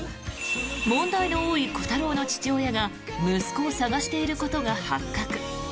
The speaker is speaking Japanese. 問題の多いコタローの父親が息子を捜していることが発覚。